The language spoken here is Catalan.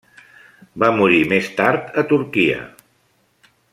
Va morir més tard a Turquia.